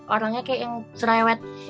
orangnya kayak yang cerewet